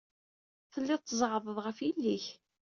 Telliḍ tzeɛɛḍeḍ ɣef yelli-k.